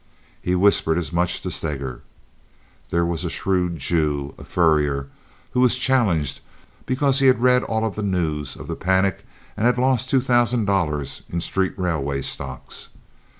He whispered as much to Steger. There was a shrewd Jew, a furrier, who was challenged because he had read all of the news of the panic and had lost two thousand dollars in street railway stocks.